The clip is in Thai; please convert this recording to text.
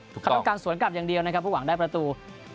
ต้องการสวนกลับอย่างเดียวพวกหวังได้ประตู